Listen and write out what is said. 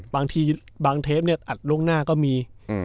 บางทีบางเทปเนี่ยอัดล่วงหน้าก็มี